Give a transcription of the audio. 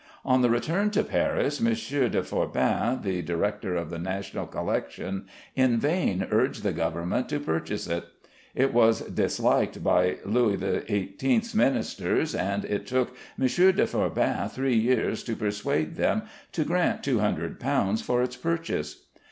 On its return to Paris, M. de Forbin, the director of the national collection, in vain urged the government to purchase it. It was disliked by Louis XVIII's ministers, and it took M. de Forbin three years to persuade them to grant £200 for its purchase.